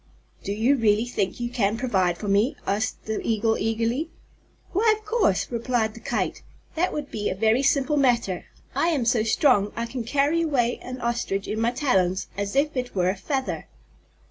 "Do you really think you can provide for me?" asked the Eagle eagerly. "Why, of course," replied the Kite. "That would be a very simple matter. I am so strong I can carry away an Ostrich in my talons as if it were a feather!"